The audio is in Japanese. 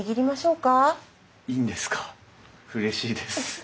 うれしいです。